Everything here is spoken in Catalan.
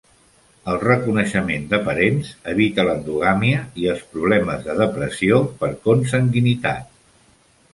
El reconeixement de parents evita l'endogàmia i els problemes de depressió per consanguinitat.